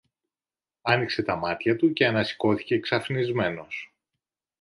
Άνοιξε τα μάτια του και ανασηκώθηκε ξαφνισμένος.